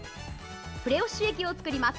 プレウォッシュ液を作ります。